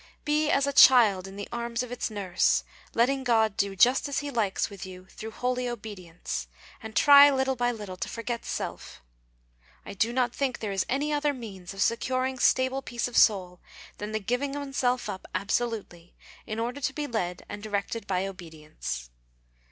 Be as a child in the arms of its nurse, letting God do just as He likes with you through holy obedience, and try little by little to forget self. I do not think there is any other means of securing stable peace of soul than the giving oneself up absolutely, in order to be led and directed by obedience.